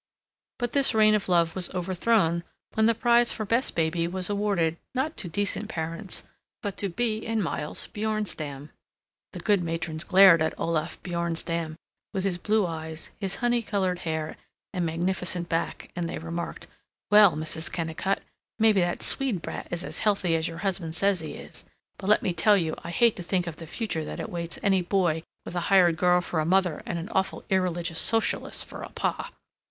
But this reign of love was overthrown when the prize for Best Baby was awarded not to decent parents but to Bea and Miles Bjornstam! The good matrons glared at Olaf Bjornstam, with his blue eyes, his honey colored hair, and magnificent back, and they remarked, "Well, Mrs. Kennicott, maybe that Swede brat is as healthy as your husband says he is, but let me tell you I hate to think of the future that awaits any boy with a hired girl for a mother and an awful irreligious socialist for a pa!"